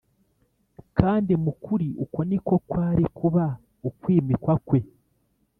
kandi mu kuri uko niko kwari kuba ukwimikwa kwe